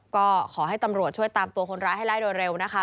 ก็ขอให้ตำรวจช่วยตามตัวคนร้ายให้ได้โดยเร็วนะคะ